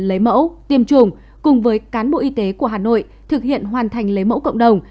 lấy mẫu tiêm chủng cùng với cán bộ y tế của hà nội thực hiện hoàn thành lấy mẫu cộng đồng